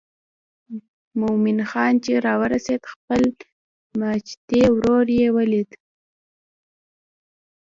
مومن خان چې راورسېد خپل ماجتي ورور یې ولید.